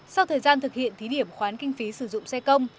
sau thời gian thực hiện thí điểm khoán kinh phí sử dụng xe công